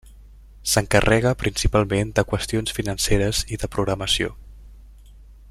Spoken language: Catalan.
S'encarrega principalment de qüestions financeres i de programació.